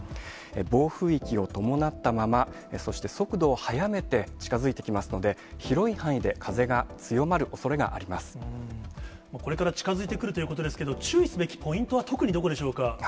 暴風域を伴ったまま、そして速度を速めて近づいてきますので、広い範囲で風が強まるおそれがあこれから近づいてくるということですけれども、注意すべきポイントは特にどこでしょうか。